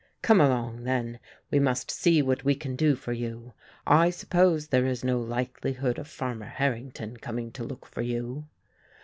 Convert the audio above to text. "Come along then; we must see what we can do for you. I suppose there is no likelihood of Farmer Harrington coming to look for you."